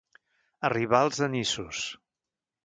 Arribar als anissos.